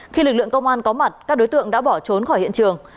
khi lực lượng công an có mặt các đối tượng đã bỏ trốn khỏi hiện trường